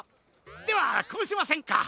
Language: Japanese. ではこうしませんか？